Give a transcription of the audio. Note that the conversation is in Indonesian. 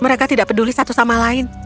mereka tidak peduli satu sama lain